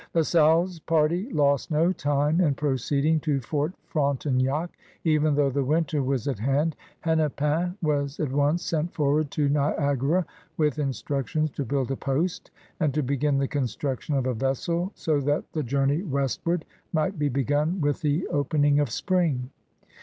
La Salle's party lost no time in proceeding to Fort Frontenac. Even though the winter was at hand, Hennepin was at once sent forward to Niagara with instructions to build a post and to b^gin the construction of a vessel so that the journey westward might be begun with the open ing of spring.